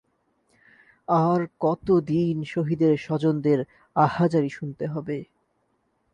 আর কত দিন শহীদের স্বজনদের আহাজারি শুনতে হবে